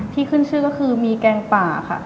ที่ขึ้นชื่อก็คือมีแกงป่าค่ะ